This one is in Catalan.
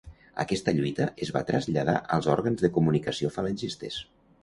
Aquesta lluita es va traslladar als òrgans de comunicació falangistes.